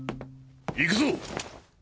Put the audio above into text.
行くぞ。